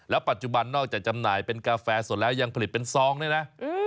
ปัจจุบันนอกจากจำหน่ายเป็นกาแฟสดแล้วยังผลิตเป็นซองด้วยนะ